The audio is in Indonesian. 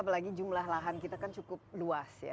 apalagi jumlah lahan kita kan cukup luas ya